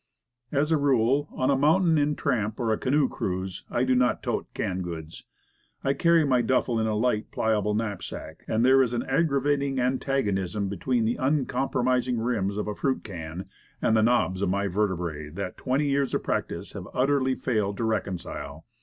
As a rule, on a mountain tramp or a canoe cruise, I do not tote canned goods. I carry my duffle in a light, pliable knapsack, and there is an aggravating antagonism between the uncompromising rims of a fruit can, and the knobs of my vertebrae, that twenty no Woodcraft. years of practice has utterly failed to reconcile.